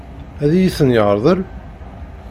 Ad iyi-ten-yeṛḍel?